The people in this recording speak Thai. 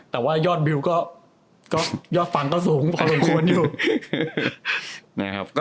แต่ว่ายอดภังก็สูงพอหลกควรอยู่